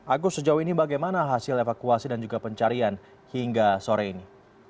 agus sejauh ini bagaimana hasil evakuasi dan juga pencarian hingga sore ini